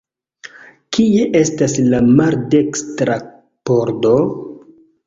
Kie estas la maldekstra pordo?